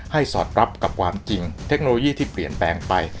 สอดรับกับความจริงเทคโนโลยีที่เปลี่ยนแปลงไป